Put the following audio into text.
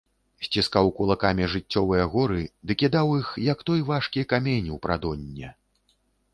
Сціскаў кулакамі жыццёвыя горы ды кідаў іх, як той важкі камень, у прадонне.